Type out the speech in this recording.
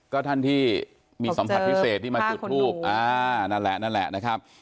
ก็ท่านที่มีสัมผัสพิเศษที่มาจุดทูบนั่นแหละนั่นแหละนะครับ